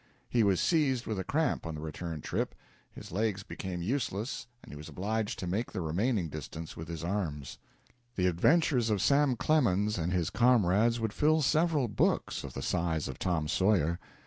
He was seized with a cramp on the return trip. His legs became useless and he was obliged to make the remaining distance with his arms. The adventures of Sam Clemens and his comrades would fill several books of the size of Tom Sawyer.